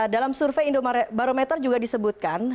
dalam survei barometer juga disebutkan